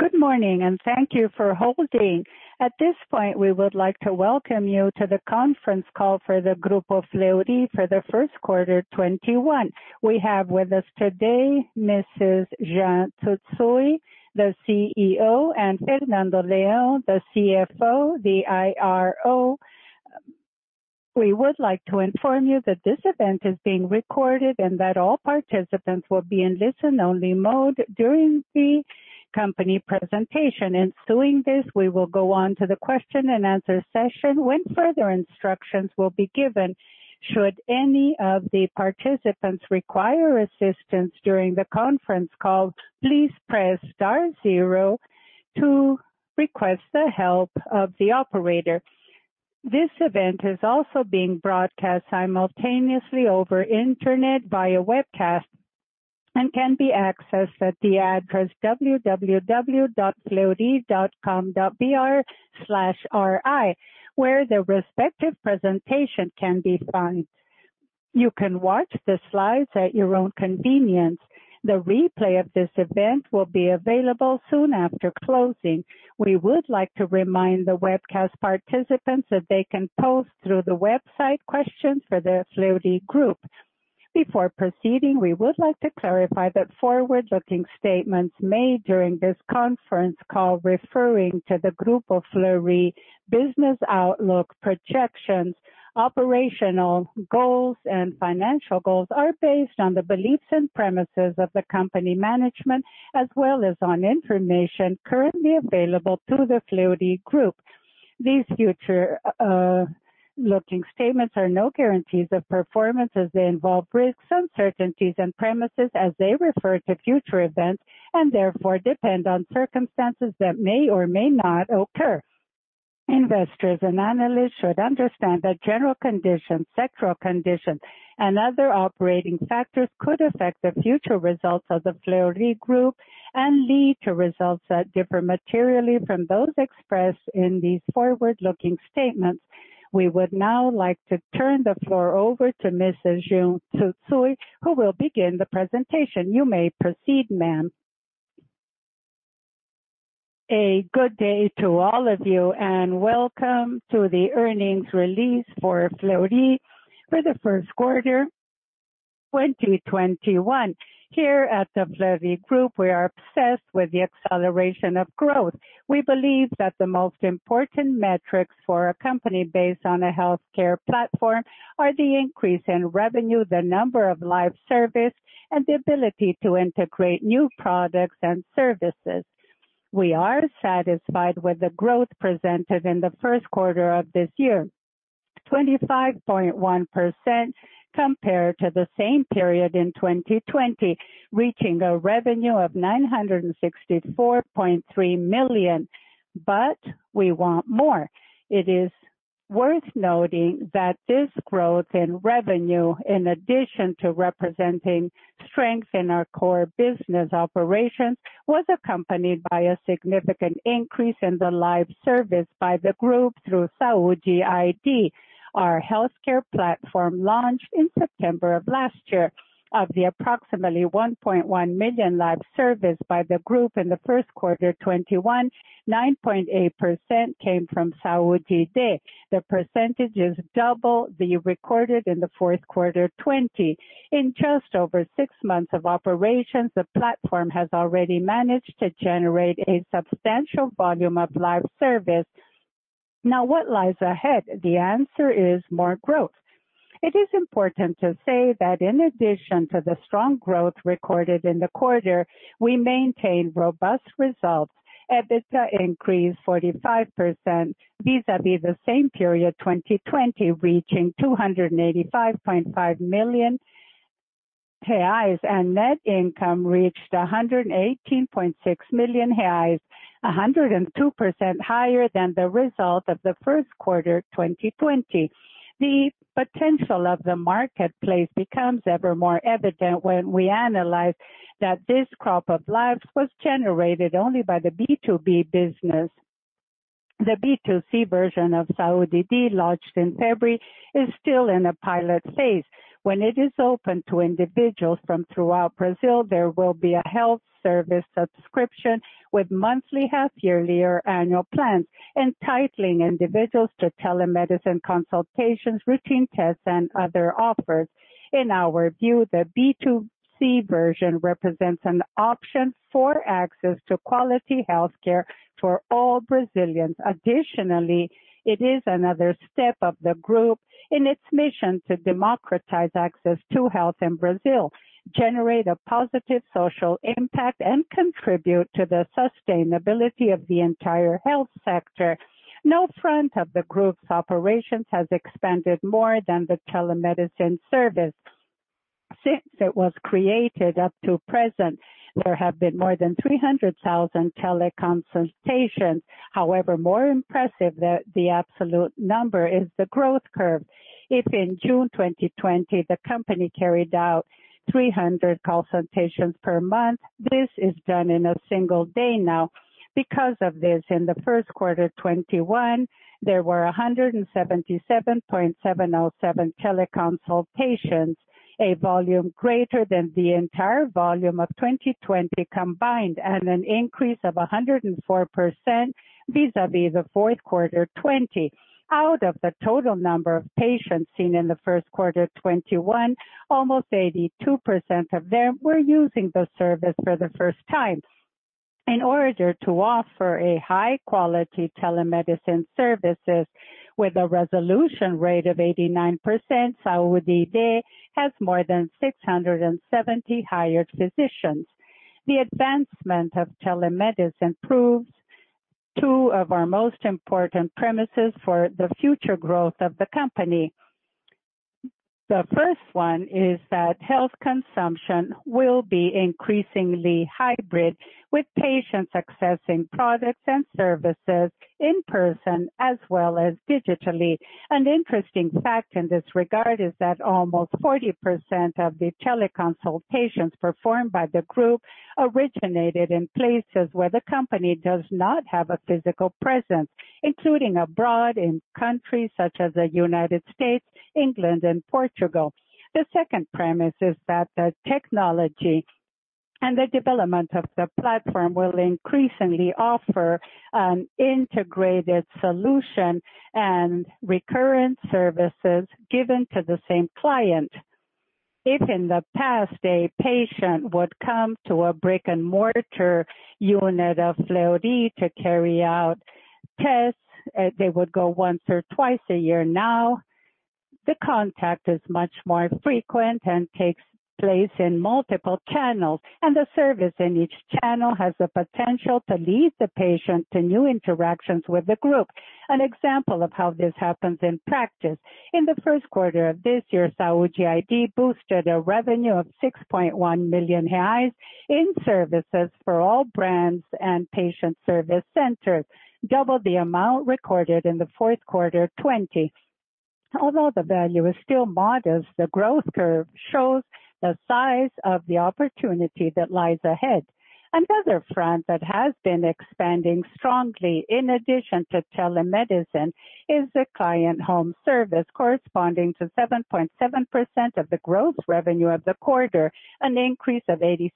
Good morning, and thank you for holding. At this point, we would like to welcome you to the conference call for the Grupo Fleury for the first quarter 2021. We have with us today Mrs. Jeane Tsutsui, the CEO, and Fernando Leão, the CFO, the IRO. We would like to inform you that this event is being recorded and that all participants will be in listen-only mode during the company presentation. Ensuing this, we will go on to the question-and-answer session when further instructions will be given. Should any of the participants require assistance during the conference call, please press star zero to request the help of the operator. This event is also being broadcast simultaneously over internet via webcast and can be accessed at the address www.fleury.com.br/ri, where the respective presentation can be found. You can watch the slides at your own convenience. The replay of this event will be available soon after closing. We would like to remind the webcast participants that they can post through the website questions for the Fleury Group. Before proceeding, we would like to clarify that forward-looking statements made during this conference call referring to the Grupo Fleury business outlook projections, operational goals, and financial goals are based on the beliefs and premises of the company management as well as on information currently available to the Fleury Group. These future-looking statements are no guarantees of performance as they involve risks, uncertainties, and premises as they refer to future events, and therefore depend on circumstances that may or may not occur. Investors and analysts should understand that general conditions, sectoral conditions, and other operating factors could affect the future results of the Fleury Group and lead to results that differ materially from those expressed in these forward-looking statements. We would now like to turn the floor over to Mrs. Jeane Tsutsui, who will begin the presentation. You may proceed, ma'am. A good day to all of you, and welcome to the earnings release for Fleury for the first quarter 2021. Here at the Fleury Group, we are obsessed with the acceleration of growth. We believe that the most important metrics for a company based on a healthcare platform are the increase in revenue, the number of lives serviced, and the ability to integrate new products and services. We are satisfied with the growth presented in the first quarter of this year. 25.1% compared to the same period in 2020, reaching a revenue of 964.3 million. We want more. It is worth noting that this growth in revenue, in addition to representing strength in our core business operations, was accompanied by a significant increase in the lives serviced by the group through Saúde iD, our healthcare platform launched in September of last year. Of the approximately 1.1 million lives serviced by the group in the first quarter 2021, 9.8% came from Saúde iD. The percentage is double the recorded in the fourth quarter 2020. In just over six months of operations, the platform has already managed to generate a substantial volume of lives serviced. What lies ahead? The answer is more growth. It is important to say that in addition to the strong growth recorded in the quarter, we maintained robust results. EBITDA increased 45% vis-à-vis the same period 2020, reaching 285.5 million, and net income reached 118.6 million, 102% higher than the result of the first quarter 2020. The potential of the marketplace becomes ever more evident when we analyze that this crop of lives was generated only by the B2B business. The B2C version of Saúde iD, launched in February, is still in a pilot phase. When it is open to individuals from throughout Brazil, there will be a health service subscription with monthly, half-yearly, or annual plans, entitling individuals to telemedicine consultations, routine tests, and other offers. In our view, the B2C version represents an option for access to quality healthcare for all Brazilians. Additionally, it is another step of the group in its mission to democratize access to health in Brazil, generate a positive social impact, and contribute to the sustainability of the entire health sector. No front of the group's operations has expanded more than the telemedicine service. Since it was created up to present, there have been more than 300,000 teleconsultations. However, more impressive than the absolute number is the growth curve. If in June 2020, the company carried out 300 consultations per month, this is done in a single day now. Because of this, in the first quarter 2021, there were 177.707 teleconsultations, a volume greater than the entire volume of 2020 combined, and an increase of 104% vis-à-vis the fourth quarter 2020. Out of the total number of patients seen in the first quarter 2021, almost 82% of them were using the service for the first time. In order to offer high-quality telemedicine services with a resolution rate of 89%, Saúde iD has more than 670 hired physicians. The advancement of telemedicine proves two of our most important premises for the future growth of the company. The first one is that health consumption will be increasingly hybrid, with patients accessing products and services in person as well as digitally. An interesting fact in this regard is that almost 40% of the teleconsultations performed by the group originated in places where the company does not have a physical presence, including abroad in countries such as the United States, England, and Portugal. The second premise is that the technology and the development of the platform will increasingly offer an integrated solution and recurrent services given to the same client. If in the past, a patient would come to a brick-and-mortar unit of Fleury to carry out tests, they would go once or twice a year. Now the contact is much more frequent and takes place in multiple channels, and the service in each channel has the potential to lead the patient to new interactions with the group. An example of how this happens in practice, in the first quarter of this year, Saúde iD boosted a revenue of BRL $6.1 million in services for all brands and patient service centers, double the amount recorded in the fourth quarter 2020. Although the value is still modest, the growth curve shows the size of the opportunity that lies ahead. Another front that has been expanding strongly in addition to telemedicine is the client home service, corresponding to 7.7% of the gross revenue of the quarter, an increase of 86%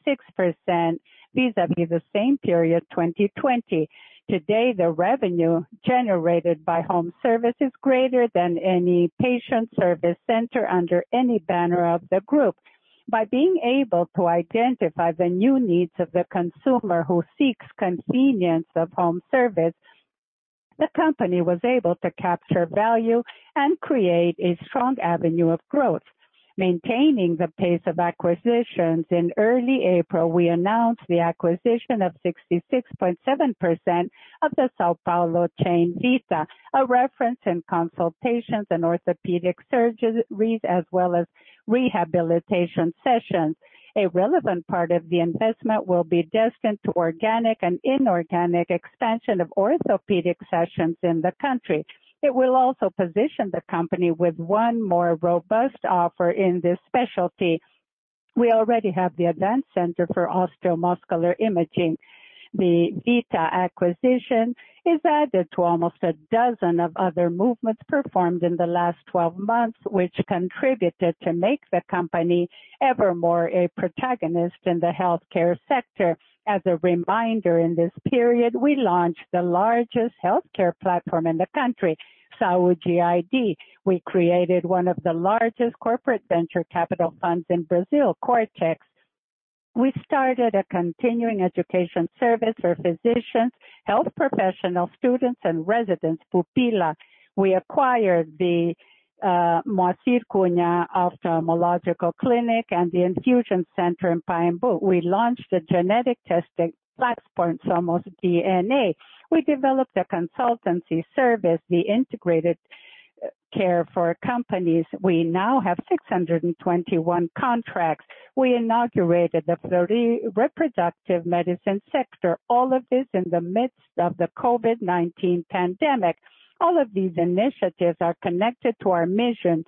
vis-à-vis the same period, 2020. Today, the revenue generated by home service is greater than any patient service center under any banner of the group. By being able to identify the new needs of the consumer who seeks the convenience of home service, the company was able to capture value and create a strong avenue of growth. Maintaining the pace of acquisitions, in early April, we announced the acquisition of 66.7% of the São Paulo chain Vita, a reference in consultations and orthopedic surgeries as well as rehabilitation sessions. A relevant part of the investment will be destined to organic and inorganic expansion of orthopedic sessions in the country. It will also position the company with one more robust offer in this specialty. We already have the Advanced Center for Osteomuscular Imaging. The Vita acquisition is added to almost a dozen other movements performed in the last 12 months, which contributed to make the company ever more a protagonist in the healthcare sector. As a reminder, in this period, we launched the largest healthcare platform in the country, Saúde iD. We created one of the largest corporate venture capital funds in Brazil, Kortex. We started a continuing education service for physicians, health professional students, and residents, Pupila. We acquired the Moacir Cunha ophthalmological clinic and the infusion center in Pacaembu. We launched the genetic testing platform, Sommos DNA. We developed a consultancy service, the integrated care for companies. We now have 621 contracts. We inaugurated the Fleury Reproductive Medicine sector. All of this in the midst of the COVID-19 pandemic. All of these initiatives are connected to our mission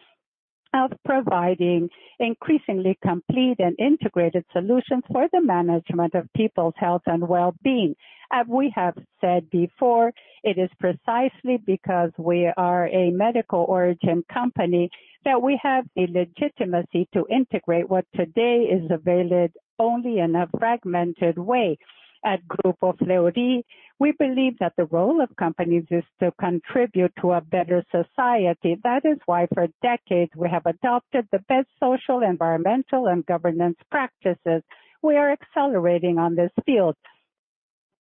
of providing increasingly complete and integrated solutions for the management of people's health and well-being. As we have said before, it is precisely because we are a medical origin company that we have the legitimacy to integrate what today is available only in a fragmented way. At Grupo Fleury, we believe that the role of companies is to contribute to a better society. That is why for decades we have adopted the best social, environmental, and governance practices. We are accelerating on this field.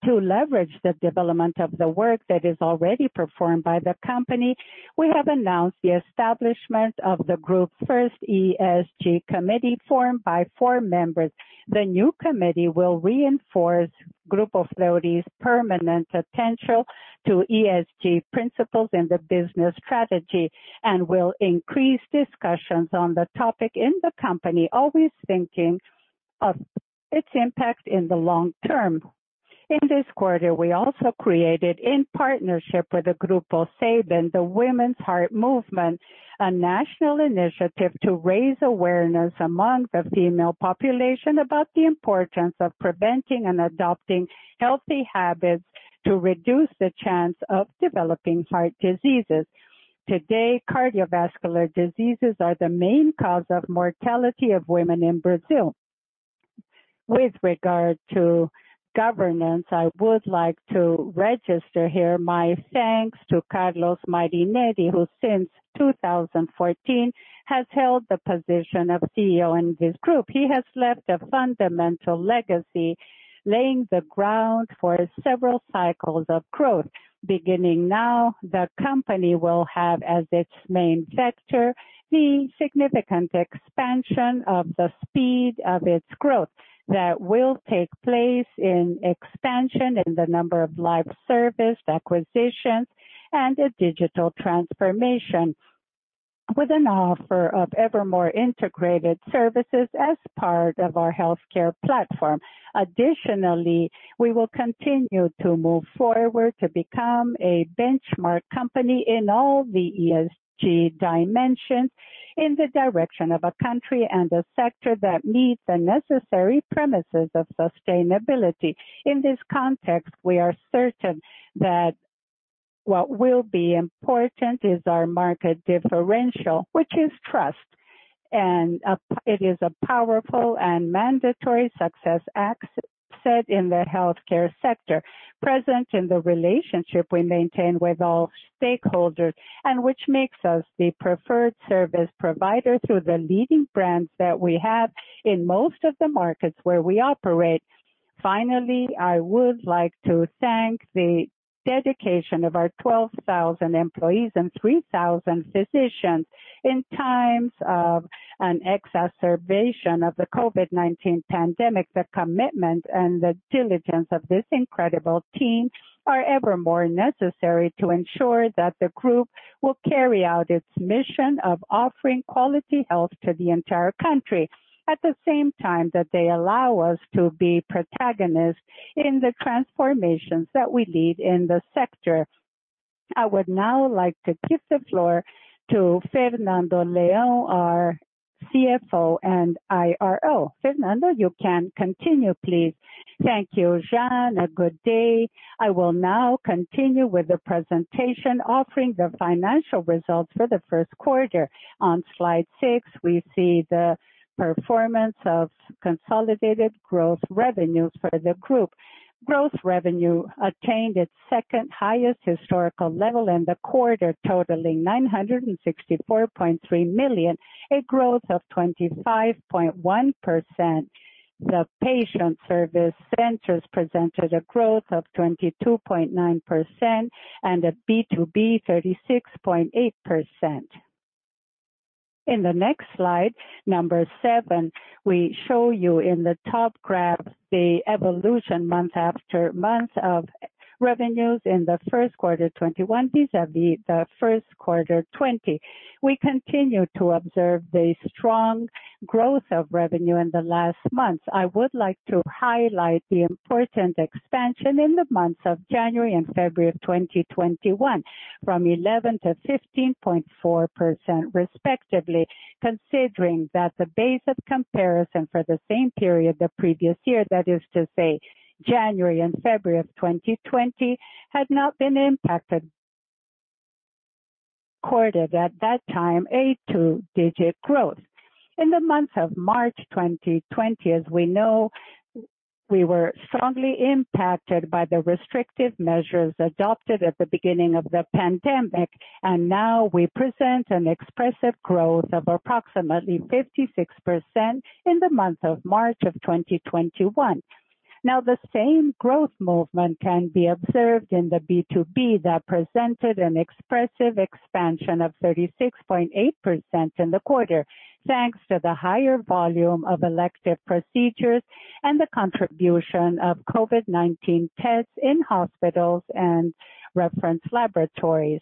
To leverage the development of the work that is already performed by the company, we have announced the establishment of the group's first ESG committee formed by four members. The new committee will reinforce Grupo Fleury's permanent attention to ESG principles in the business strategy and will increase discussions on the topic in the company, always thinking of its impact in the long term. In this quarter, we also created, in partnership with Grupo Sabin, the Women's Heart Movement, a national initiative to raise awareness among the female population about the importance of preventing and adopting healthy habits to reduce the chance of developing heart diseases. Today, cardiovascular diseases are the main cause of mortality of women in Brazil. With regard to governance, I would like to register here my thanks to Carlos Marinelli, who since 2014 has held the position of CEO in this group. He has left a fundamental legacy, laying the ground for several cycles of growth. Beginning now, the company will have as its main vector the significant expansion of the speed of its growth that will take place in expansion in the number of live service acquisitions and a digital transformation with an offer of ever more integrated services as part of our healthcare platform. Additionally, we will continue to move forward to become a benchmark company in all the ESG dimensions in the direction of a country and a sector that meets the necessary premises of sustainability. In this context, we are certain that what will be important is our market differential, which is trust. It is a powerful and mandatory success asset in the healthcare sector, present in the relationship we maintain with all stakeholders, and which makes us the preferred service provider through the leading brands that we have in most of the markets where we operate. Finally, I would like to thank the dedication of our 12,000 employees and 3,000 physicians. In times of an exacerbation of the COVID-19 pandemic, the commitment and the diligence of this incredible team are ever more necessary to ensure that the group will carry out its mission of offering quality health to the entire country. At the same time, that they allow us to be protagonists in the transformations that we lead in the sector. I would now like to give the floor to Fernando Leão, our CFO and IRO. Fernando, you can continue, please. Thank you, Jeane. A good day. I will now continue with the presentation offering the financial results for the first quarter. On slide six, we see the performance of consolidated growth revenues for the group. Growth revenue attained its second highest historical level in the quarter, totaling 964.3 million, a growth of 25.1%. The Patient Service Centers presented a growth of 22.9% and a B2B 36.8%. In the next slide, number seven, we show you in the top graph the evolution month after month of revenues in the first quarter 2021, vis-à-vis the first quarter 2020. We continue to observe the strong growth of revenue in the last months. I would like to highlight the important expansion in the months of January and February of 2021 from 11% to 15.4%, respectively, considering that the base of comparison for the same period the previous year, that is to say January and February of 2020, had not been impacted, quarter at that time a two-digit growth. In the month of March 2020, as we know, we were strongly impacted by the restrictive measures adopted at the beginning of the pandemic, and now we present an expressive growth of approximately 56% in the month of March of 2021. Now the same growth movement can be observed in the B2B that presented an expressive expansion of 36.8% in the quarter, thanks to the higher volume of elective procedures and the contribution of COVID-19 tests in hospitals and reference laboratories.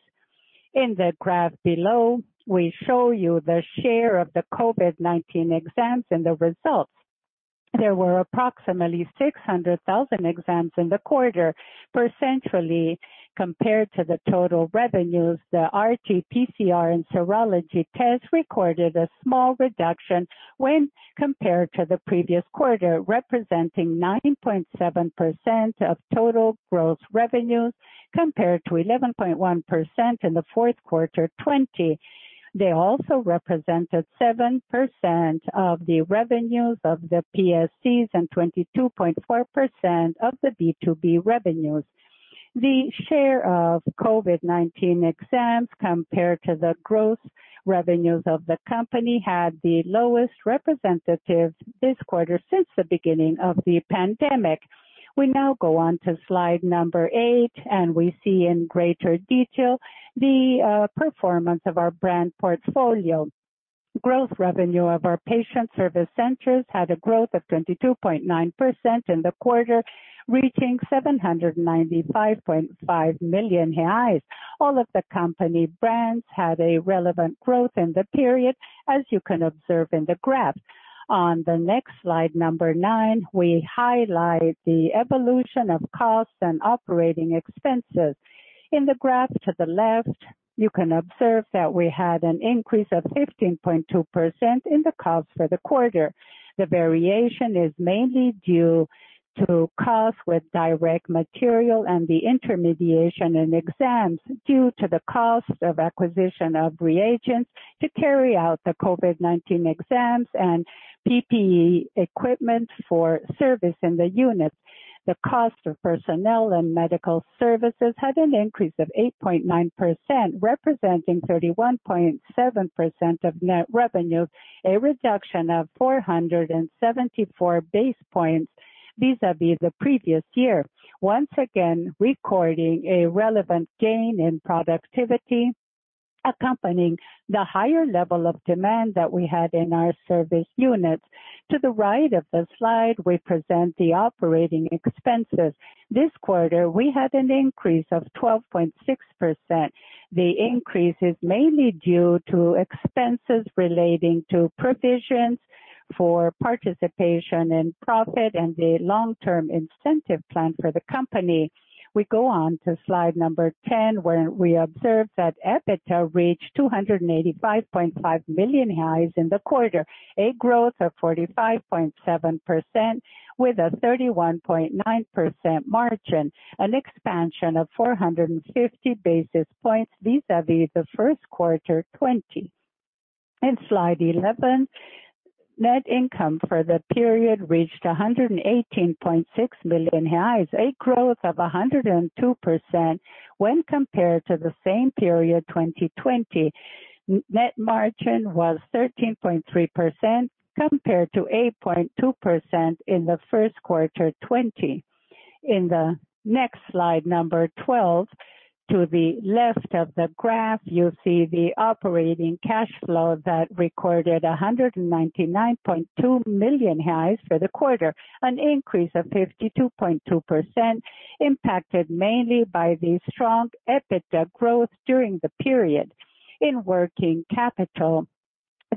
In the graph below, we show you the share of the COVID-19 exams and the results. There were approximately 600,000 exams in the quarter. Percentually, compared to the total revenues, the RT-PCR and serology tests recorded a small reduction when compared to the previous quarter, representing 9.7% of total growth revenues compared to 11.1% in the fourth quarter 2020. They also represented 7% of the revenues of the PSCs and 22.4% of the B2B revenues. The share of COVID-19 exams, compared to the growth revenues of the company, had the lowest representative this quarter since the beginning of the pandemic. We now go on to slide number eight, we see in greater detail the performance of our brand portfolio. Growth revenue of our patient service centers had a growth of 22.9% in the quarter, reaching 795.5 million reais. All of the company brands had a relevant growth in the period, as you can observe in the graph. On the next slide, number nine, we highlight the evolution of costs and operating expenses. In the graph to the left, you can observe that we had an increase of 15.2% in the cost for the quarter. The variation is mainly due to cost with direct material and the intermediation in exams due to the cost of acquisition of reagents to carry out the COVID-19 exams and PPE equipment for service in the units. The cost of personnel and medical services had an increase of 8.9%, representing 31.7% of net revenue, a reduction of 474 base points vis-à-vis the previous year. Once again, recording a relevant gain in productivity. Accompanying the higher level of demand that we had in our service units. To the right of the slide, we present the operating expenses. This quarter, we had an increase of 12.6%. The increase is mainly due to expenses relating to provisions for participation in profit and the long-term incentive plan for the company. We go on to slide number 10, where we observe that EBITDA reached 285.5 million in the quarter, a growth of 45.7% with a 31.9% margin, an expansion of 450 basis points vis-a-vis the first quarter 2020. In slide 11, net income for the period reached 118.6 million reais, a growth of 102% when compared to the same period 2020. Net margin was 13.3% compared to 8.2% in the first quarter 2020. In the next slide 12, to the left of the graph, you'll see the operating cash flow that recorded 199.2 million for the quarter. An increase of 52.2%, impacted mainly by the strong EBITDA growth during the period. In working capital,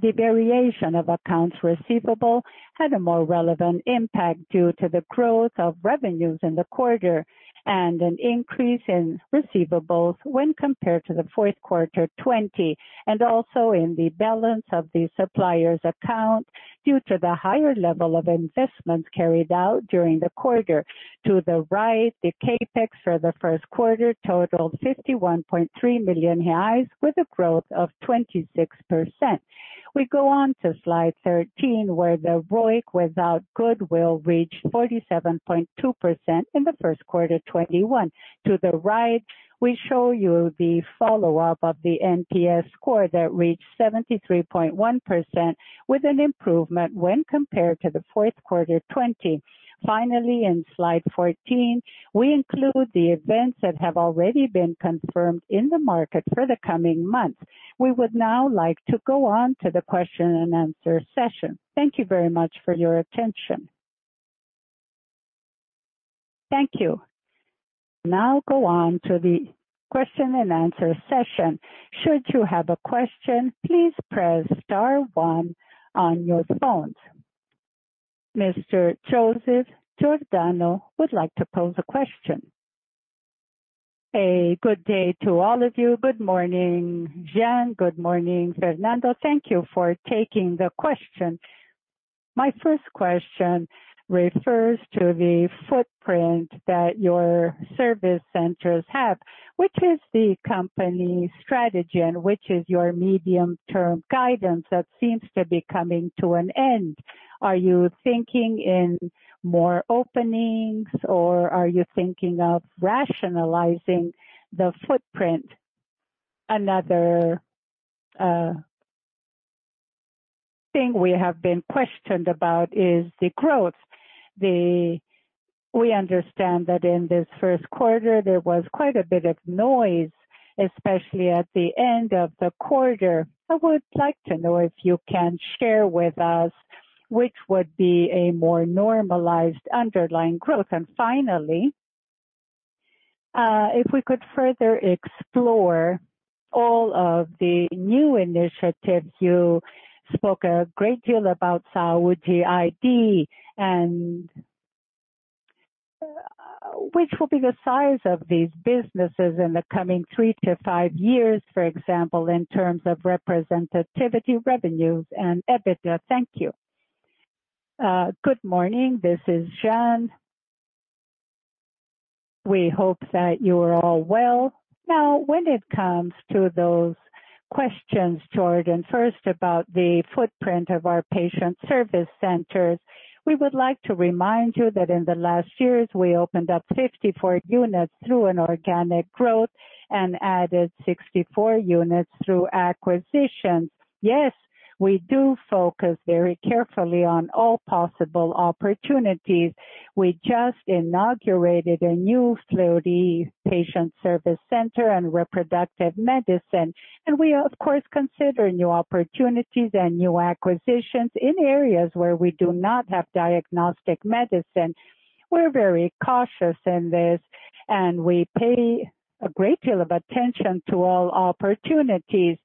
the variation of accounts receivable had a more relevant impact due to the growth of revenues in the quarter and an increase in receivables when compared to the fourth quarter 2020. Also in the balance of the suppliers account due to the higher level of investments carried out during the quarter. To the right, the CapEx for the first quarter totaled 51.3 million reais with a growth of 26%. We go on to slide 13, where the ROIC without goodwill reached 47.2% in the first quarter 2021. To the right, we show you the follow-up of the NPS score that reached 73.1% with an improvement when compared to the fourth quarter 2020. Finally, in slide 14, we include the events that have already been confirmed in the market for the coming months. We would now like to go on to the question and answer session. Thank you very much for your attention. Thank you. Go on to the question and answer session. Should you have a question, please press star one on your phones. Mr. Joseph Giordano would like to pose a question. Good day to all of you. Good morning, Jeane. Good morning, Fernando. Thank you for taking the question. My first question refers to the footprint that your service centers have. Which is the company strategy and which is your medium-term guidance that seems to be coming to an end? Are you thinking in more openings or are you thinking of rationalizing the footprint? Another thing we have been questioned about is the growth. We understand that in this first quarter, there was quite a bit of noise, especially at the end of the quarter. I would like to know if you can share with us which would be a more normalized underlying growth. Finally, if we could further explore all of the new initiatives. You spoke a great deal about Saúde iD. Which will be the size of these businesses in the coming three-five years, for example, in terms of representativity, revenues, and EBITDA? Thank you. Good morning. This is Jeane. We hope that you are all well. When it comes to those questions, Giordano, first about the footprint of our patient service centers. We would like to remind you that in the last years, we opened up 54 units through an organic growth and added 64 units through acquisitions. Yes, we do focus very carefully on all possible opportunities. We just inaugurated a new Fleury Patient Service Center in reproductive medicine. We, of course, consider new opportunities and new acquisitions in areas where we do not have diagnostic medicine. We're very cautious in this, and we pay a great deal of attention to all opportunities.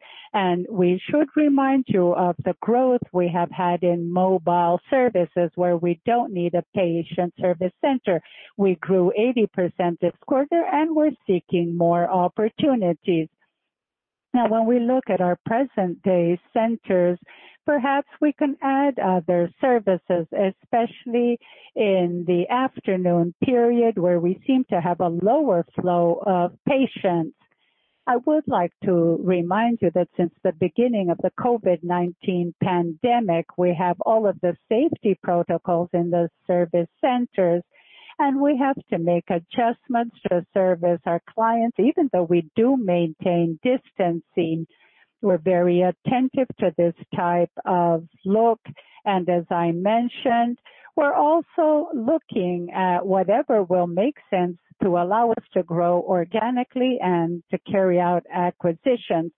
We should remind you of the growth we have had in mobile services, where we don't need a patient service center. We grew 80% this quarter, and we're seeking more opportunities. Now when we look at our present-day centers, perhaps we can add other services, especially in the afternoon period where we seem to have a lower flow of patients. I would like to remind you that since the beginning of the COVID-19 pandemic, we have all of the safety protocols in the service centers, and we have to make adjustments to service our clients, even though we do maintain distancing. We're very attentive to this type of look. As I mentioned, we're also looking at whatever will make sense to allow us to grow organically and to carry out acquisitions.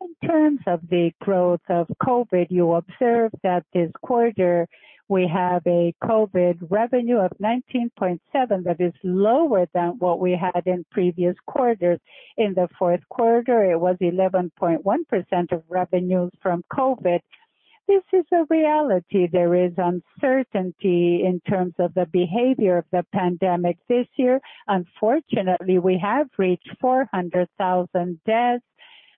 In terms of the growth of COVID, you observe that this quarter we have a COVID revenue of 19.7%. That is lower than what we had in previous quarters. In the fourth quarter, it was 11.1% of revenues from COVID. This is a reality. There is uncertainty in terms of the behavior of the pandemic this year. Unfortunately, we have reached 400,000 deaths.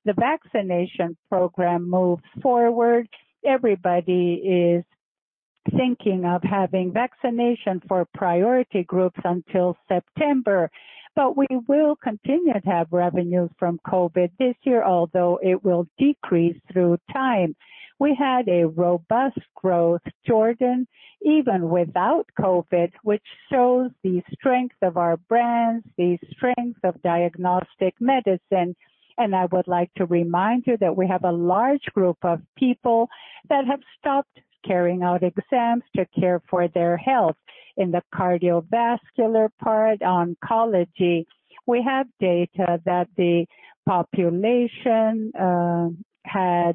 The vaccination program moves forward. Everybody is thinking of having vaccination for priority groups until September. We will continue to have revenues from COVID this year, although it will decrease through time. We had a robust growth, Giordano, even without COVID, which shows the strength of our brands, the strength of diagnostic medicine. I would like to remind you that we have a large group of people that have stopped carrying out exams to care for their health. In the cardiovascular part, oncology, we have data that the population had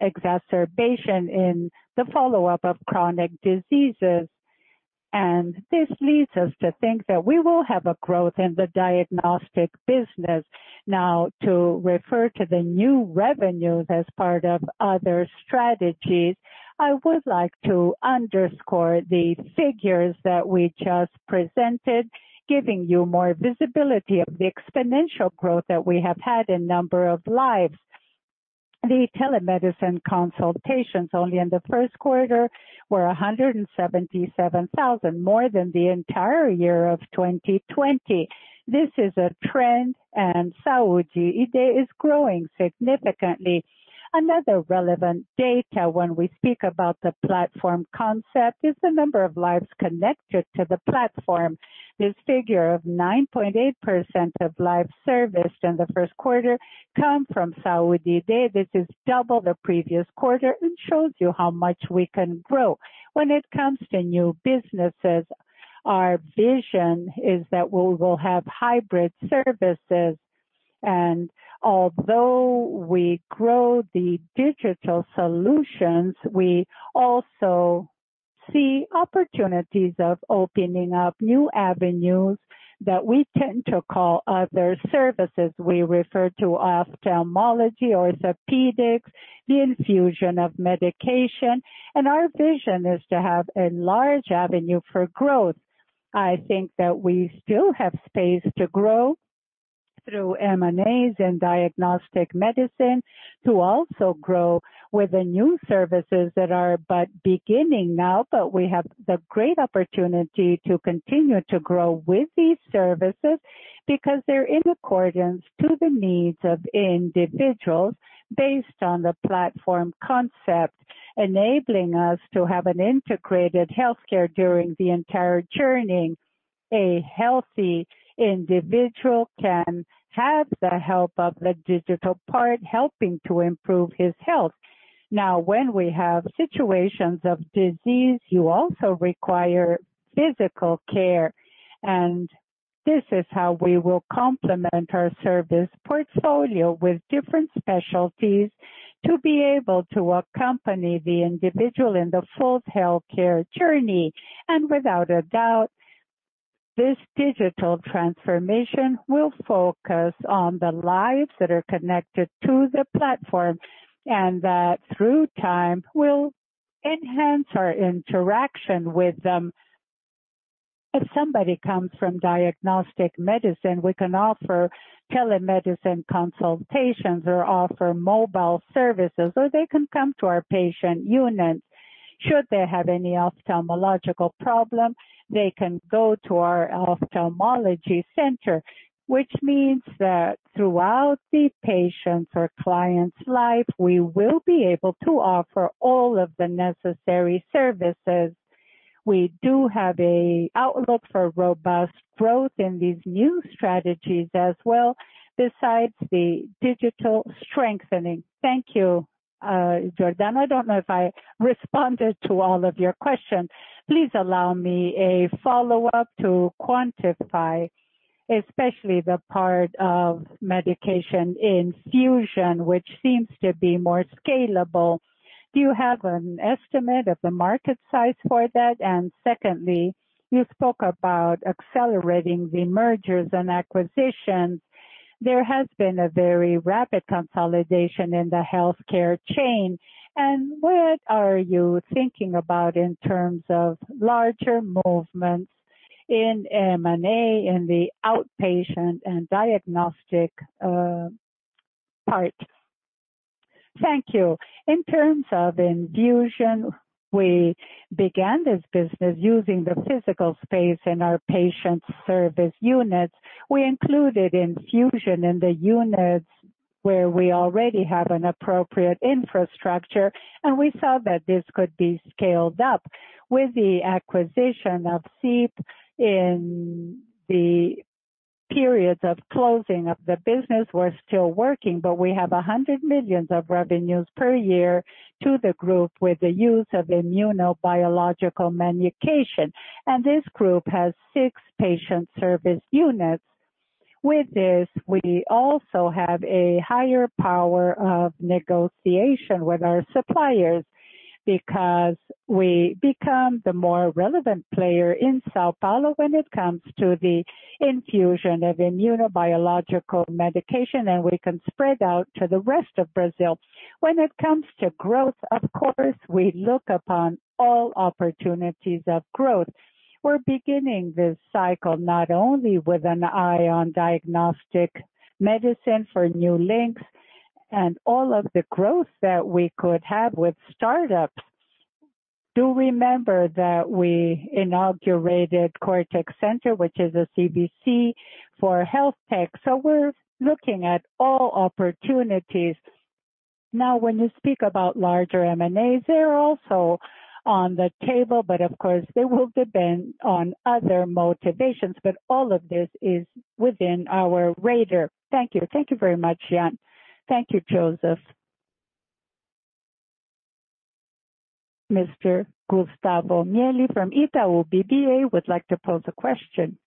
exacerbation in the follow-up of chronic diseases. This leads us to think that we will have a growth in the diagnostic business. To refer to the new revenues as part of other strategies, I would like to underscore the figures that we just presented, giving you more visibility of the exponential growth that we have had in number of lives. The telemedicine consultations only in the first quarter were 177,000, more than the entire year of 2020. This is a trend. Saúde iD is growing significantly. Another relevant data when we speak about the platform concept is the number of lives connected to the platform. This figure of 9.8% of lives serviced in the first quarter come from Saúde iD. This is double the previous quarter and shows you how much we can grow. When it comes to new businesses, our vision is that we will have hybrid services. Although we grow the digital solutions, we also see opportunities of opening up new avenues that we tend to call other services. We refer to ophthalmology, orthopedics, the infusion of medication, and our vision is to have a large avenue for growth. I think that we still have space to grow through M&As and diagnostic medicine, to also grow with the new services that are but beginning now. We have the great opportunity to continue to grow with these services because they're in accordance to the needs of individuals based on the platform concept, enabling us to have an integrated healthcare during the entire journey. A healthy individual can have the help of the digital part helping to improve his health. Now, when we have situations of disease, you also require physical care. This is how we will complement our service portfolio with different specialties to be able to accompany the individual in the full healthcare journey. Without a doubt, this digital transformation will focus on the lives that are connected to the platform, and that through time will enhance our interaction with them. If somebody comes from diagnostic medicine, we can offer telemedicine consultations or offer mobile services, or they can come to our patient units. Should they have any ophthalmological problem, they can go to our ophthalmology center, which means that throughout the patient's or client's life, we will be able to offer all of the necessary services. We do have an outlook for robust growth in these new strategies as well, besides the digital strengthening. Thank you, Giordano. I don't know if I responded to all of your questions. Please allow me a follow-up to quantify, especially the part of medication infusion, which seems to be more scalable. Do you have an estimate of the market size for that? Secondly, you spoke about accelerating the mergers and acquisitions. There has been a very rapid consolidation in the healthcare chain. What are you thinking about in terms of larger movements in M&A in the outpatient and diagnostic part? Thank you. In terms of infusion, we began this business using the physical space in our patient service units. We included infusion in the units where we already have an appropriate infrastructure, and we saw that this could be scaled up. With the acquisition of CIP in the periods of closing of the business, we're still working, but we have 100 million of revenues per year to the group with the use of immunobiological medication. This group has six patient service units. With this, we also have a higher power of negotiation with our suppliers because we become the more relevant player in São Paulo when it comes to the infusion of immunobiological medication, and we can spread out to the rest of Brazil. When it comes to growth, of course, we look upon all opportunities of growth. We're beginning this cycle not only with an eye on diagnostic medicine for new links and all of the growth that we could have with startups. Do remember that we inaugurated Kortex Center, which is a CVC for health tech. We're looking at all opportunities. Now, when you speak about larger M&As, they're also on the table, but of course, they will depend on other motivations. All of this is within our radar. Thank you. Thank you very much, Jeane. Thank you, Joseph. Mr. Gustavo Miele from Itaú BBA would like to pose a question.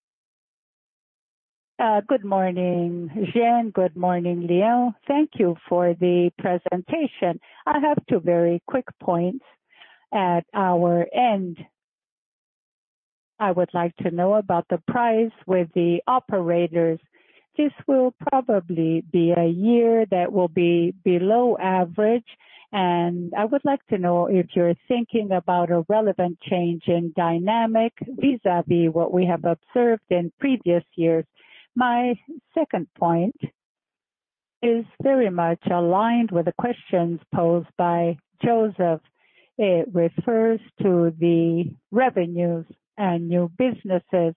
Good morning, Jeane. Good morning, Leão. Thank you for the presentation. I have two very quick points at our end. I would like to know about the price with the operators. This will probably be a year that will be below average, and I would like to know if you're thinking about a relevant change in dynamic vis-à-vis what we have observed in previous years. My second point is very much aligned with the questions posed by Joseph. It refers to the revenues and new businesses.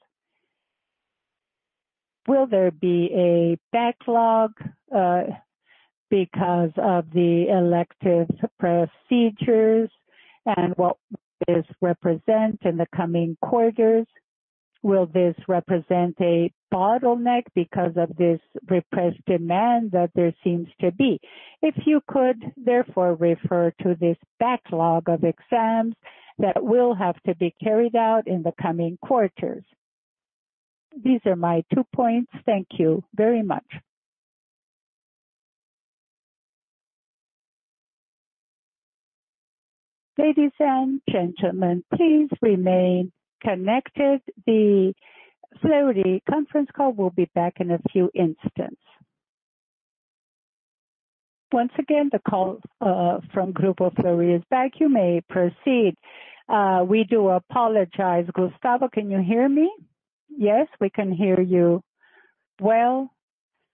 Will there be a backlog because of the elective procedures, and what will this represent in the coming quarters? Will this represent a bottleneck because of this repressed demand that there seems to be? If you could therefore refer to this backlog of exams that will have to be carried out in the coming quarters. These are my two points. Thank you very much. Ladies and gentlemen, please remain connected. The Fleury conference call will be back in a few instance. Once again the call from Grupo Fleury is back. You may proceed. We do apologize. Gustavo. Can you hear me? Yes, we can hear you well.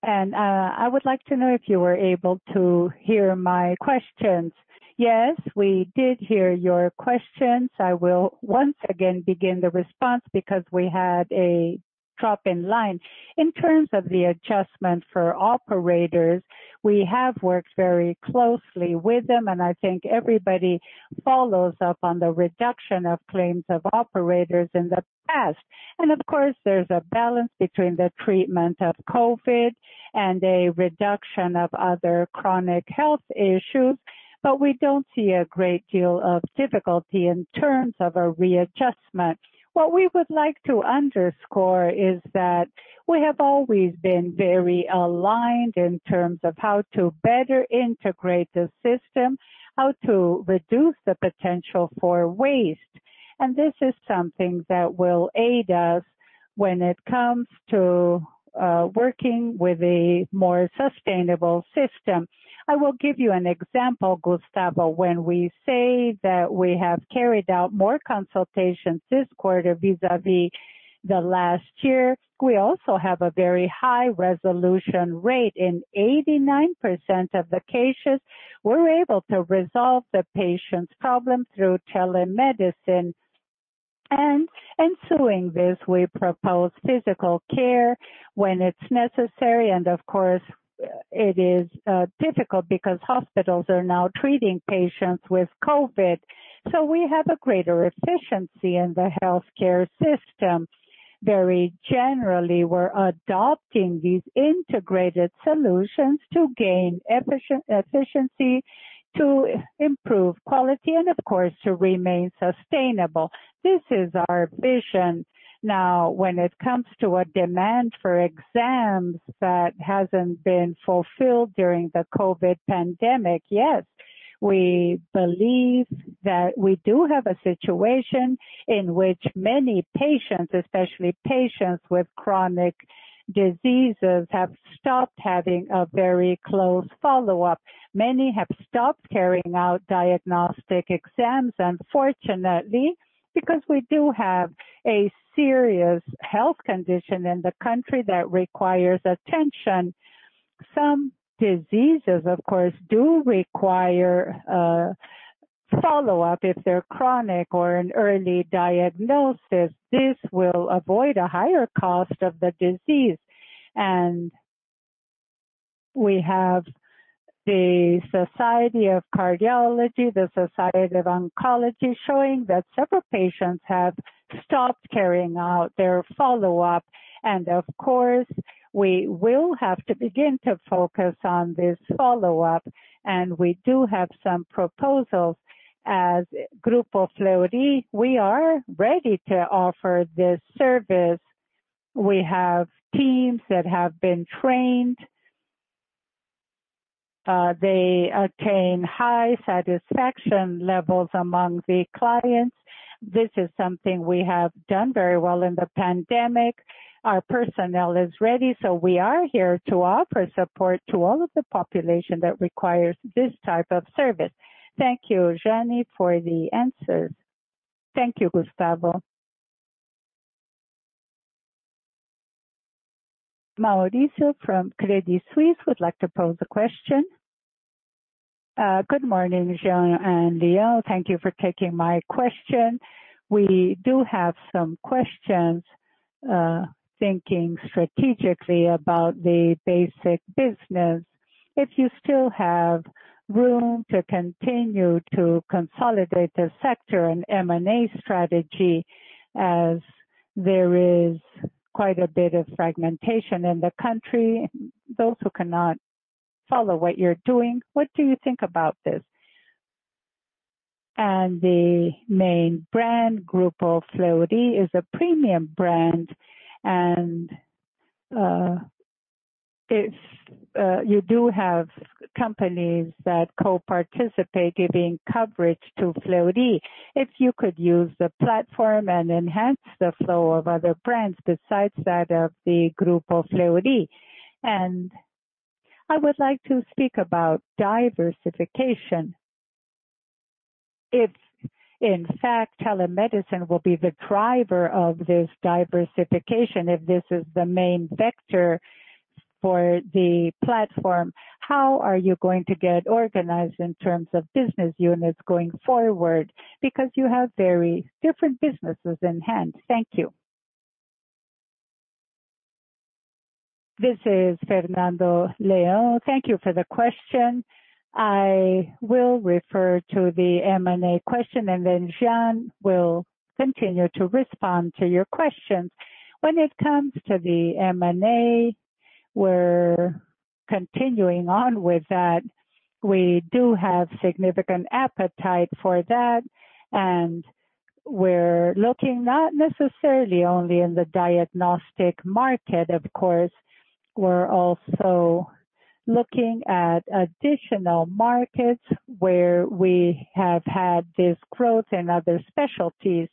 I would like to know if you were able to hear my questions. Yes, we did hear your questions. I will once again begin the response because we had a drop in line. In terms of the adjustment for operators, we have worked very closely with them, and I think everybody follows up on the reduction of claims of operators in the past. Of course, there's a balance between the treatment of COVID-19 and a reduction of other chronic health issues, but we don't see a great deal of difficulty in terms of a readjustment. What we would like to underscore is that we have always been very aligned in terms of how to better integrate the system, how to reduce the potential for waste. This is something that will aid us when it comes to working with a more sustainable system. I will give you an example, Gustavo. When we say that we have carried out more consultations this quarter vis-à-vis the last year, we also have a very high resolution rate. In 89% of the cases, we're able to resolve the patient's problem through telemedicine. Ensuing this, we propose physical care when it's necessary, and of course, it is difficult because hospitals are now treating patients with COVID. We have a greater efficiency in the healthcare system. Very generally, we're adopting these integrated solutions to gain efficiency, to improve quality, and of course, to remain sustainable. This is our vision. Now, when it comes to a demand for exams that hasn't been fulfilled during the COVID pandemic, yes, we believe that we do have a situation in which many patients, especially patients with chronic diseases, have stopped having a very close follow-up. Many have stopped carrying out diagnostic exams, unfortunately, because we do have a serious health condition in the country that requires attention. Some diseases, of course, do require a follow-up if they're chronic or an early diagnosis. This will avoid a higher cost of the disease. We have the Society of Cardiology, the Society of Oncology showing that several patients have stopped carrying out their follow-up. Of course, we will have to begin to focus on this follow-up, and we do have some proposals. As Grupo Fleury, we are ready to offer this service. We have teams that have been trained. They attain high satisfaction levels among the clients. This is something we have done very well in the pandemic. Our personnel is ready, so we are here to offer support to all of the population that requires this type of service. Thank you, Jeane, for the answers. Thank you, Gustavo. Mauricio from Credit Suisse would like to pose a question. Good morning, Jeane and Leão. Thank you for taking my question. We do have some questions, thinking strategically about the basic business. If you still have room to continue to consolidate the sector and M&A strategy as there is quite a bit of fragmentation in the country, those who cannot follow what you're doing, what do you think about this? The main brand, Grupo Fleury, is a premium brand. If you do have companies that co-participate giving coverage to Fleury, if you could use the platform and enhance the flow of other brands besides that of the Grupo Fleury. I would like to speak about diversification. If, in fact, telemedicine will be the driver of this diversification, if this is the main vector for the platform, how are you going to get organized in terms of business units going forward? Because you have very different businesses in hand. Thank you. This is Fernando Leão. Thank you for the question. I will refer to the M&A question, Jeane will continue to respond to your questions. When it comes to the M&A, we're continuing on with that. We do have significant appetite for that, we're looking not necessarily only in the diagnostic market, of course. We're also looking at additional markets where we have had this growth in other specialties.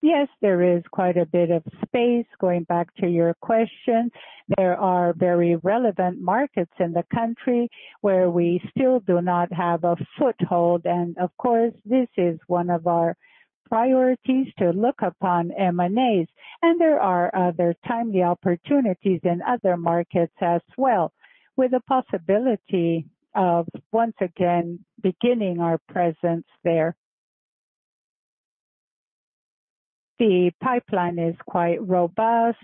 Yes, there is quite a bit of space, going back to your question. There are very relevant markets in the country where we still do not have a foothold. Of course, this is one of our priorities to look upon M&As. There are other timely opportunities in other markets as well, with a possibility of, once again, beginning our presence there. The pipeline is quite robust.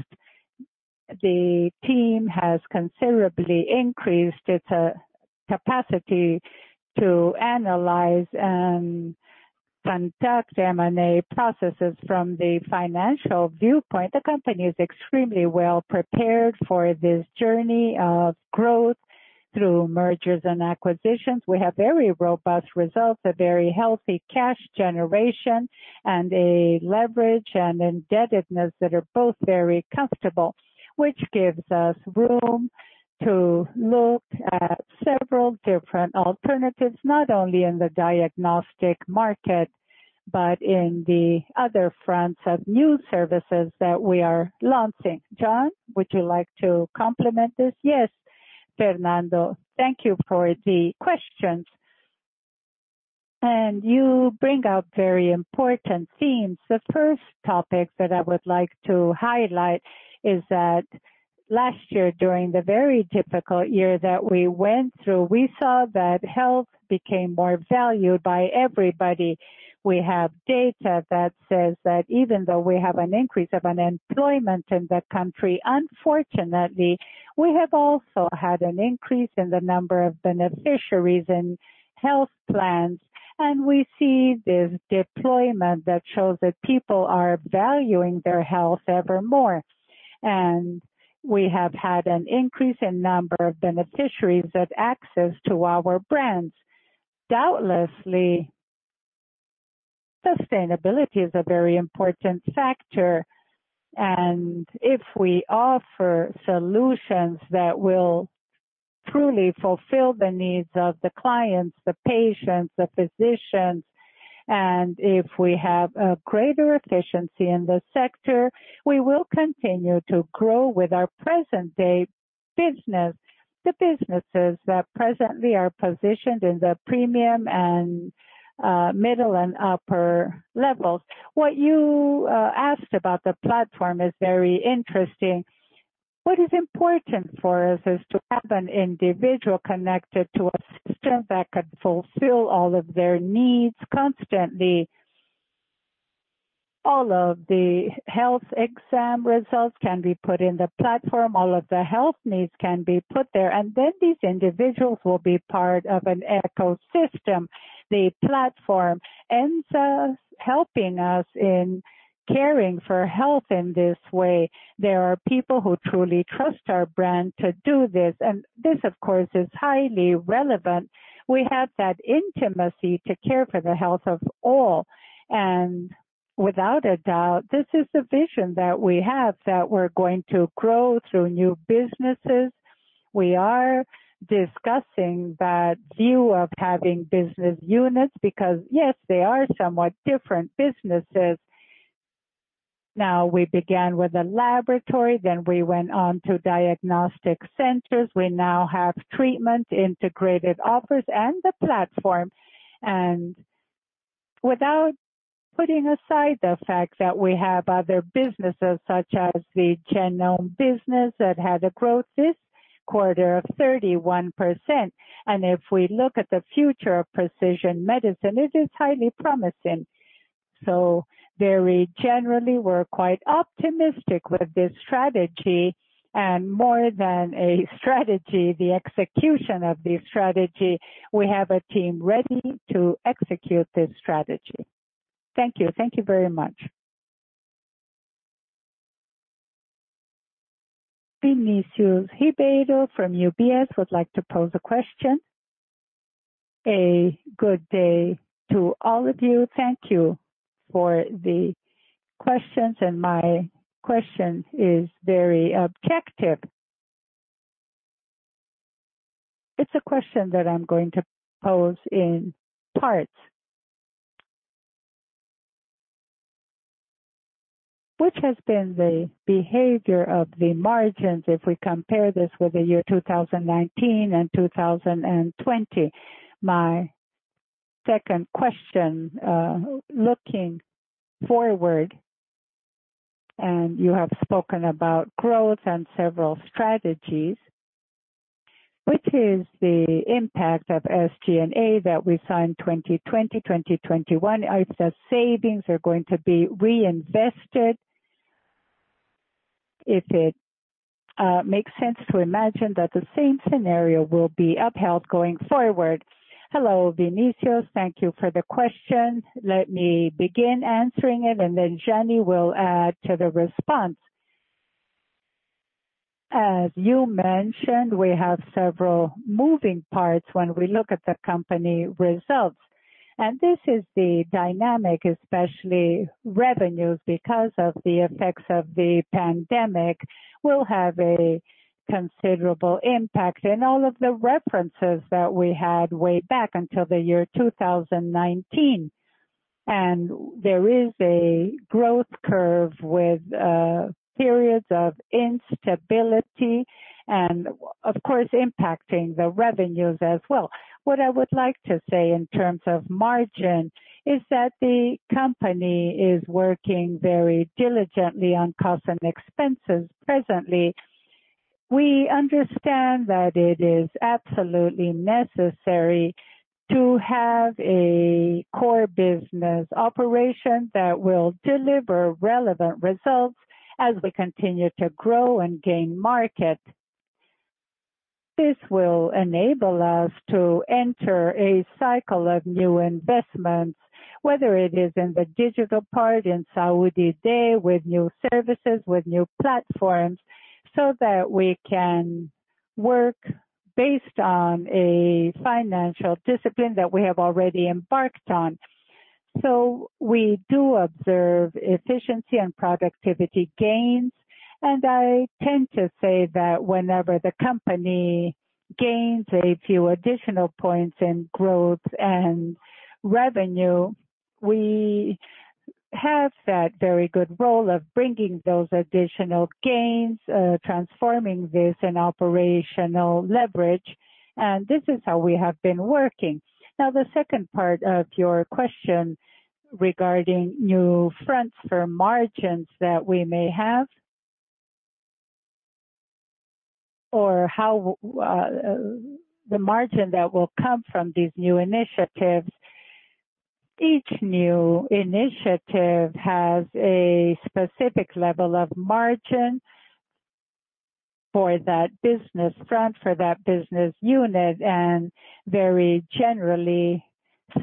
The team has considerably increased its capacity to analyze and conduct M&A processes from the financial viewpoint. The company is extremely well prepared for this journey of growth through mergers and acquisitions. We have very robust results, a very healthy cash generation, and a leverage and indebtedness that are both very comfortable, which gives us room to look at several different alternatives, not only in the diagnostic market, but in the other fronts of new services that we are launching. Jeane, would you like to complement this? Yes, Fernando. Thank you for the questions. You bring out very important themes. The first topic that I would like to highlight is that last year, during the very difficult year that we went through, we saw that health became more valued by everybody. We have data that says that even though we have an increase of unemployment in the country, unfortunately, we have also had an increase in the number of beneficiaries in health plans. We see this deployment that shows that people are valuing their health ever more. We have had an increase in number of beneficiaries of access to our brands. Doubtlessly, sustainability is a very important factor, and if we offer solutions that will truly fulfill the needs of the clients, the patients, the physicians, and if we have a greater efficiency in the sector, we will continue to grow with our present-day business, the businesses that presently are positioned in the premium and middle and upper levels. What you asked about the platform is very interesting. What is important for us is to have an individual connected to a system that could fulfill all of their needs constantly. All of the health exam results can be put in the platform. All of the health needs can be put there. Then these individuals will be part of an ecosystem. The platform ends up helping us in caring for health in this way. There are people who truly trust our brand to do this. This, of course, is highly relevant. We have that intimacy to care for the health of all. Without a doubt, this is the vision that we have, that we're going to grow through new businesses. We are discussing that view of having business units because, yes, they are somewhat different businesses. We began with a laboratory, then we went on to diagnostic centers. We now have treatment integrated offers and the platform. Without putting aside the fact that we have other businesses such as the genome business that had a growth this quarter of 31%. If we look at the future of precision medicine, it is highly promising. Very generally, we're quite optimistic with this strategy. More than a strategy, the execution of the strategy. We have a team ready to execute this strategy. Thank you. Thank you very much. Vinicius Ribeiro from UBS would like to pose a question. A good day to all of you. Thank you for the questions. My question is very objective. It's a question that I'm going to pose in parts. Which has been the behavior of the margins if we compare this with the year 2019 and 2020? My second question, looking forward, and you have spoken about growth and several strategies. Which is the impact of SG&A that we signed 2020, 2021? Are the savings going to be reinvested? If it makes sense to imagine that the same scenario will be upheld going forward. Hello, Vinicius. Thank you for the question. Let me begin answering it and then Jeane will add to the response. As you mentioned, we have several moving parts when we look at the company results. This is the dynamic, especially revenues, because of the effects of the pandemic, will have a considerable impact in all of the references that we had way back until the year 2019. There is a growth curve with periods of instability and, of course, impacting the revenues as well. What I would like to say in terms of margin is that the company is working very diligently on costs and expenses presently. We understand that it is absolutely necessary to have a core business operation that will deliver relevant results as we continue to grow and gain market. This will enable us to enter a cycle of new investments, whether it is in the digital part in Saúde iD with new services, with new platforms, so that we can work based on a financial discipline that we have already embarked on. We do observe efficiency and productivity gains, and I tend to say that whenever the company gains a few additional points in growth and revenue, we have that very good role of bringing those additional gains, transforming this in operational leverage. This is how we have been working. The second part of your question regarding new fronts for margins that we may have or how the margin that will come from these new initiatives. Each new initiative has a specific level of margin for that business front, for that business unit, and very generally,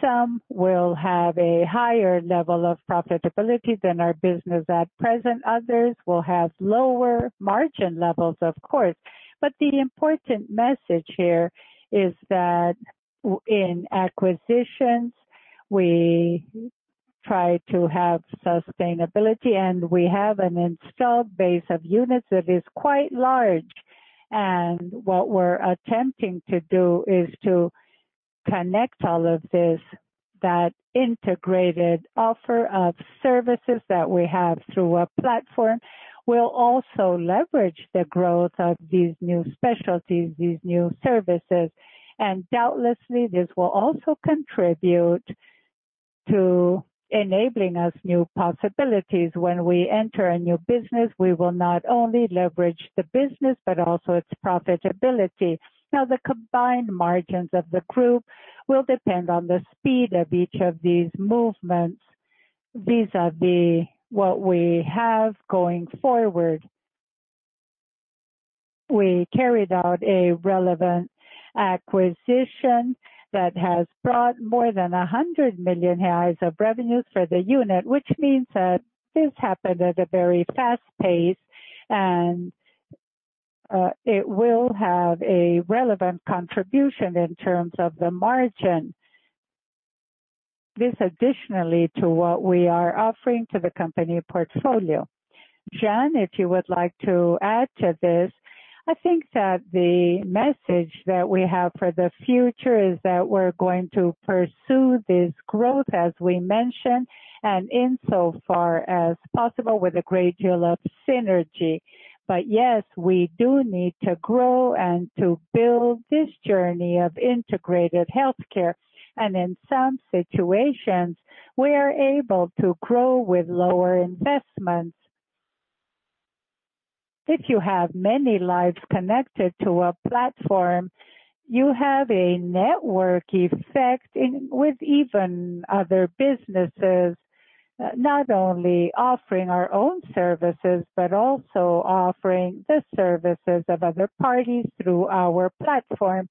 some will have a higher level of profitability than our business at present. Others will have lower margin levels, of course. The important message here is that in acquisitions, we try to have sustainability, and we have an installed base of units that is quite large. What we're attempting to do is to connect all of this, that integrated offer of services that we have through a platform will also leverage the growth of these new specialties, these new services. Doubtlessly, this will also contribute to enabling us new possibilities. When we enter a new business, we will not only leverage the business, but also its profitability. The combined margins of the group will depend on the speed of each of these movements vis-à-vis what we have going forward. We carried out a relevant acquisition that has brought more than 100 million reais of revenues for the unit, which means that this happened at a very fast pace, and it will have a relevant contribution in terms of the margin. This additionally to what we are offering to the company portfolio. Jeane, if you would like to add to this. I think that the message that we have for the future is that we're going to pursue this growth as we mentioned, and insofar as possible with a great deal of synergy. Yes, we do need to grow and to build this journey of integrated healthcare. In some situations, we are able to grow with lower investments. If you have many lives connected to a platform, you have a network effect in with even other businesses, not only offering our own services, but also offering the services of other parties through our platform.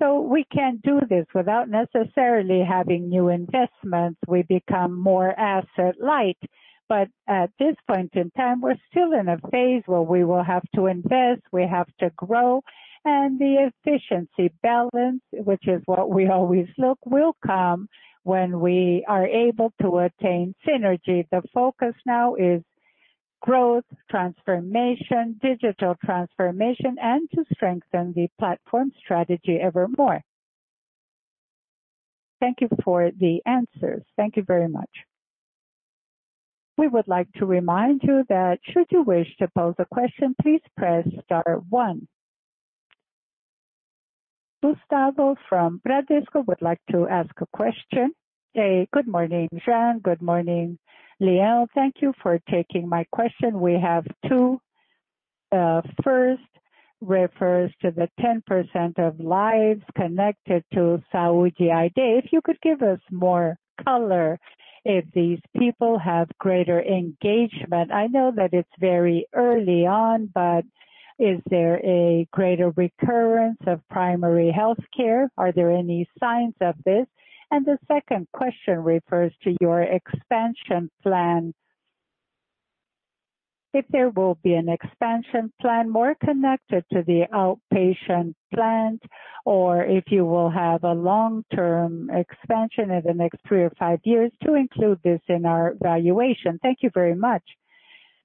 We can do this without necessarily having new investments. We become more asset-light. At this point in time, we're still in a phase where we will have to invest, we have to grow, and the efficiency balance, which is what we always look, will come when we are able to attain synergy. The focus now is growth, transformation, digital transformation, and to strengthen the platform strategy ever more. Thank you for the answers. Thank you very much. We would like to remind you that should you wish to pose a question, please press star one. Gustavo from Bradesco would like to ask a question. Hey, good morning, Jeane. Good morning, Leão. Thank you for taking my question. We have two. First refers to the 10% of lives connected to Saúde iD. If you could give us more color if these people have greater engagement. I know that it's very early on, but is there a greater recurrence of primary healthcare? Are there any signs of this? The second question refers to your expansion plan. If there will be an expansion plan more connected to the outpatient plan or if you will have a long-term expansion in the next three or five years to include this in our valuation. Thank you very much.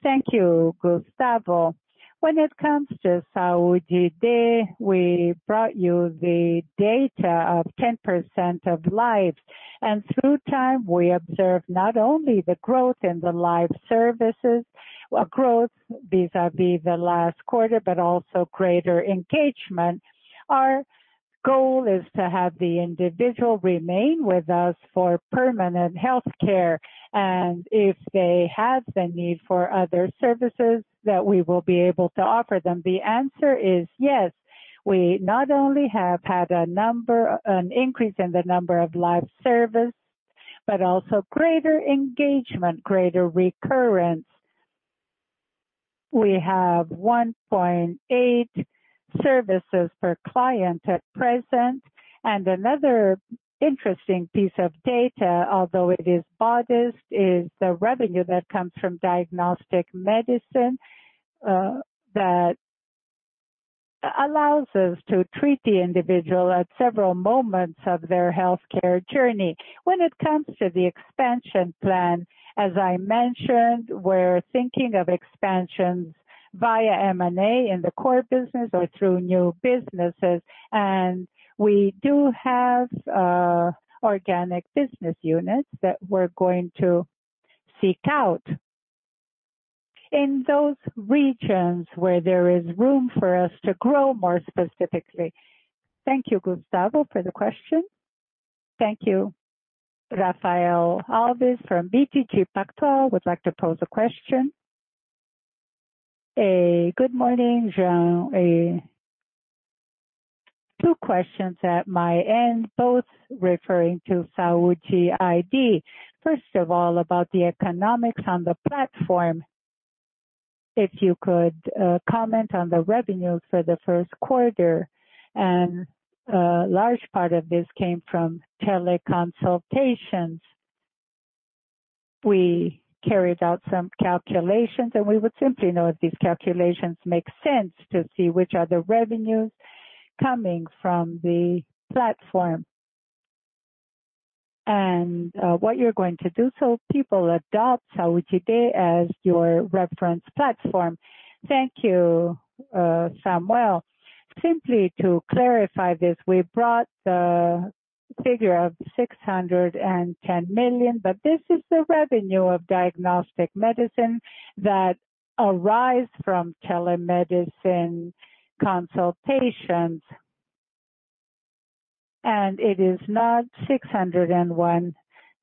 Thank you, Gustavo. When it comes to Saúde iD, we brought you the data of 10% of lives. Through time, we observed not only the growth in the live services, a growth vis-à-vis the last quarter, but also greater engagement. Our goal is to have the individual remain with us for permanent healthcare, and if they have the need for other services, that we will be able to offer them. The answer is yes. We not only have had an increase in the number of live service, but also greater engagement, greater recurrence. We have 1.8 services per client at present. Another interesting piece of data, although it is modest, is the revenue that comes from diagnostic medicine, that allows us to treat the individual at several moments of their healthcare journey. When it comes to the expansion plan, as I mentioned, we're thinking of expansions via M&A in the core business or through new businesses. We do have organic business units that we're going to seek out in those regions where there is room for us to grow more specifically. Thank you, Gustavo, for the question. Thank you. Rafael Alves from BTG Pactual would like to pose a question. Hey, good morning, Jeane. Two questions at my end, both referring to Saúde iD. First of all, about the economics on the platform. If you could comment on the revenue for the first quarter. A large part of this came from teleconsultations. We carried out some calculations, and we would simply know if these calculations make sense to see which are the revenues coming from the platform. What you're going to do so people adopt Saúde iD as your reference platform. Thank you, Samuel. Simply to clarify this, we brought the figure of 610 million, but this is the revenue of diagnostic medicine that arise from telemedicine consultations. It is not 601.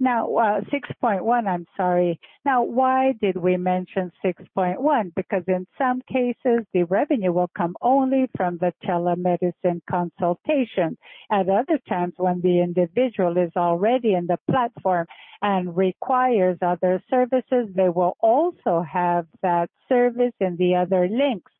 6.1, I'm sorry. Why did we mention 6.1? In some cases, the revenue will come only from the telemedicine consultation. At other times when the individual is already in the platform and requires other services, they will also have that service in the other links.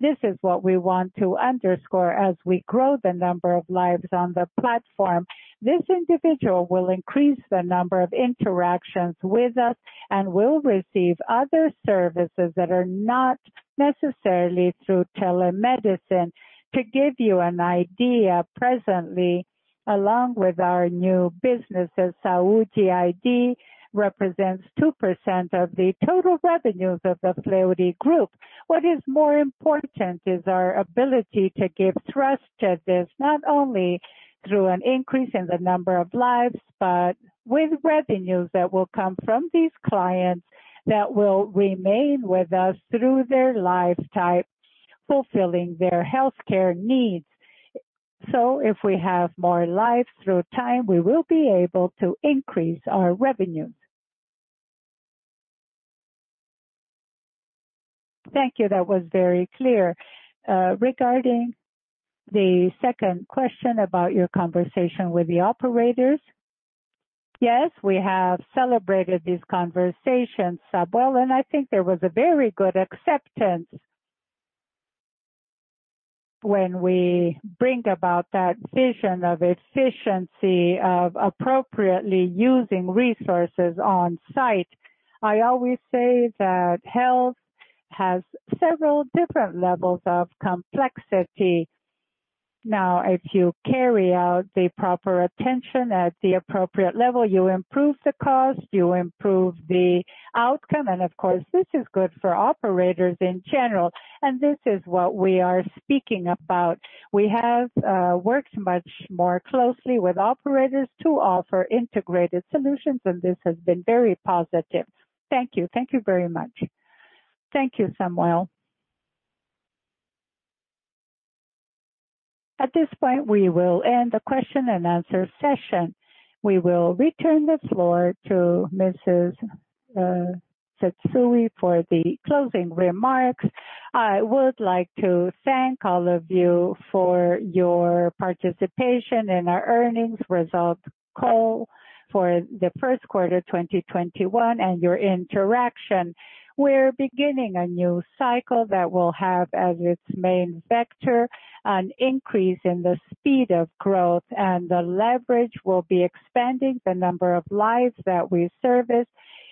This is what we want to underscore as we grow the number of lives on the platform. This individual will increase the number of interactions with us and will receive other services that are not necessarily through telemedicine. To give you an idea, presently, along with our new business at Saúde iD, represents 2% of the total revenues of the Fleury Group. What is more important is our ability to give thrust to this, not only through an increase in the number of lives, but with revenues that will come from these clients that will remain with us through their lifetime, fulfilling their healthcare needs. If we have more lives through time, we will be able to increase our revenues. Thank you. That was very clear. Regarding the second question about your conversation with the operators? Yes, we have celebrated these conversations, Samuel. I think there was a very good acceptance. When we bring about that vision of efficiency, of appropriately using resources on site, I always say that health has several different levels of complexity. If you carry out the proper attention at the appropriate level, you improve the cost, you improve the outcome. Of course, this is good for operators in general. This is what we are speaking about. We have worked much more closely with operators to offer integrated solutions. This has been very positive. Thank you. Thank you very much. Thank you, Samuel. At this point, we will end the question and answer session. We will return the floor to Mrs. Tsutsui for the closing remarks. I would like to thank all of you for your participation in our earnings result call for the first quarter of 2021 and your interaction. We're beginning a new cycle that will have as its main vector an increase in the speed of growth and the leverage. We'll be expanding the number of lives that we service,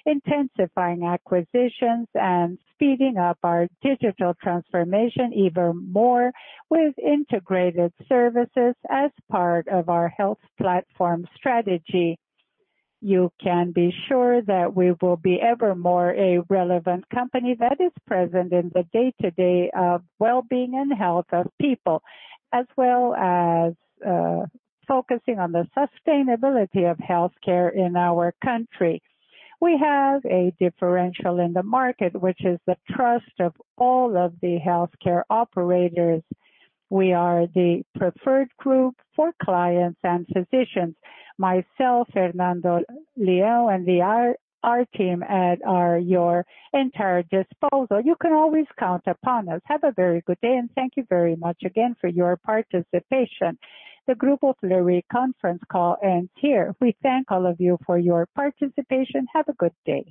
intensifying acquisitions, and speeding up our digital transformation even more with integrated services as part of our health platform strategy. You can be sure that we will be ever more a relevant company that is present in the day-to-day of wellbeing and health of people, as well as focusing on the sustainability of healthcare in our country. We have a differential in the market, which is the trust of all of the healthcare operators. We are the preferred group for clients and physicians. Myself, Fernando Leão, and our team are at your entire disposal. You can always count upon us. Have a very good day, and thank you very much again for your participation. The Grupo Fleury conference call ends here. We thank all of you for your participation. Have a good day.